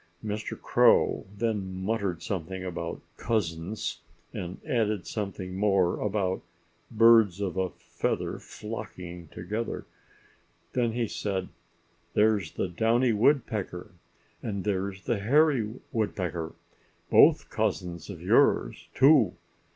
Mr. Crow then muttered something about cousins, and added something more about birds of a feather flocking together. And then he said, "There's the Downy Woodpecker and there's the Hairy Woodpecker—both cousins of yours, too.